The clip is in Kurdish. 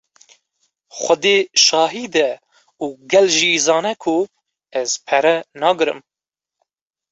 Xwedê şahîd e û gel jî zane ku ez pere nagrim.